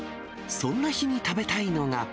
そんな日に食べたいのが。